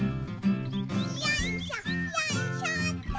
よいしょよいしょっと。